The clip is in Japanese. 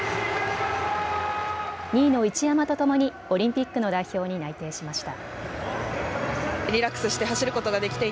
２位の一山とともにオリンピックの代表に内定しました。